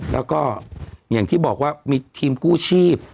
แล้วก็อย่างที่บอกว่ามีทีมกู้ชีพ